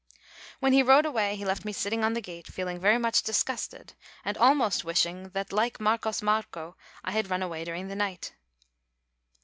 When he rode away he left me sitting on the gate, feeling very much disgusted, and almost wishing that, like Marcos Marcó, I had run away during the night.